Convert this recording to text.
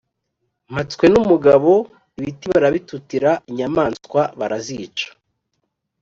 mpatswenumugabo. ibiti barabitutira, inyamaswa barazica,